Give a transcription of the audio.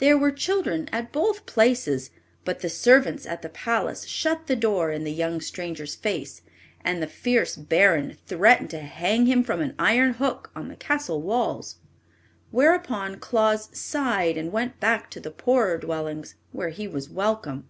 There were children at both places; but the servants at the palace shut the door in the young stranger's face, and the fierce Baron threatened to hang him from an iron hook on the castle walls. Whereupon Claus sighed and went back to the poorer dwellings where he was welcome.